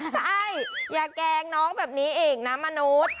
ใช่อย่าแกล้งน้องแบบนี้อีกนะมนุษย์